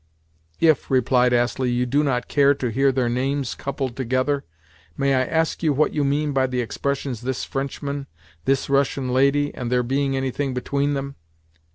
"If," replied Astley, "you do not care to hear their names coupled together, may I ask you what you mean by the expressions 'this Frenchman,' 'this Russian lady,' and 'there being anything between them'?